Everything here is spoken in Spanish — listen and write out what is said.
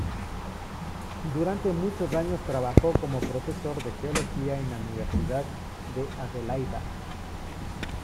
Durante muchos años trabajó como profesor de geología en la Universidad de Adelaida.